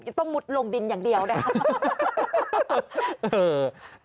จะต้องมุดลงดินอย่างเดียวนะครับ